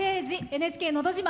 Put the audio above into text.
「ＮＨＫのど自慢」